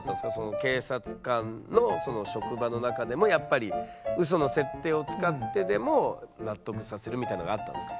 警察官の職場の中でもやっぱりウソの設定を使ってでも納得させるみたいなのがあったんですか？